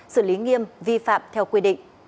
xử lý nghiêm vi phạm theo quy định